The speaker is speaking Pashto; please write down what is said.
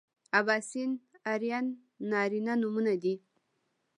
اباسین ارین نارینه نومونه دي